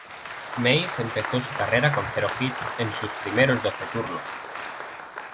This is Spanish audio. Mays empezó su carrera con cero hits en sus primeros doce turnos.